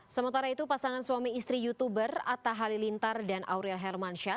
sementara itu pasangan suami istri youtuber atta halilintar dan aurel hermansyah